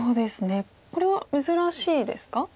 これは珍しいですか？